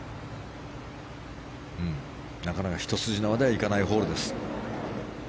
なかなかひと筋縄ではいかないホールです。